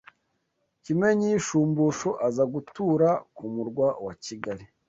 Kimenyi Shumbusho, aza gutura ku murwa wa Kigali